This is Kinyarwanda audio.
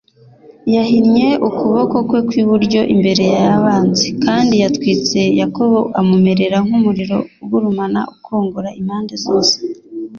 Yahinnye ukuboko kwe kw’iburyo imbere y’abanzi, Kandi yatwitse Yakobo amumerera nk’umuriro ugurumana, Ukongora impande zos